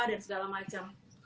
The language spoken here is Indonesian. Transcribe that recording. ada yang segala macam